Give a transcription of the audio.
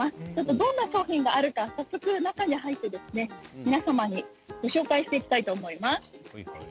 どんな商品があるか早速中に入って皆様にご紹介していきたいと思います。